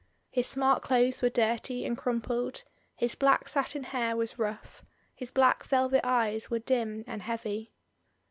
His smart clothes were dirty and crumpled, his black satin hair was rough, his black velvet eyes were dim and heavy.